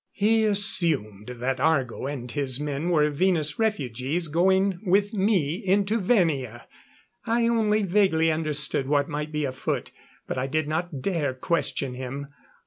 He assumed that Argo and his men were Venus refugees going with me into Venia! I only vaguely understood what might be afoot, but I did not dare question him.